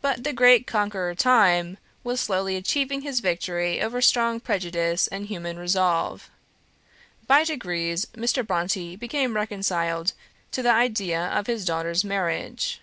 But the great conqueror Time was slowly achieving his victory over strong prejudice and human resolve. By degrees Mr. Brontë became reconciled to the idea of his daughter's marriage.